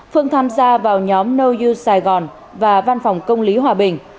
phương tham gia vào nhóm know you saigon và văn phòng công lý hòa bình